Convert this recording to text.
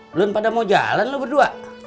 belum pada mau jalan lo berdua